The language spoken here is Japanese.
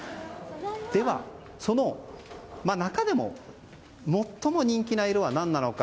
では、その中でも最も人気の色は何なのか。